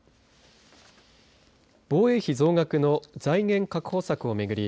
防衛費増額の財源確保策を巡り